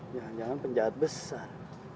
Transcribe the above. jangan jangan penjahat besar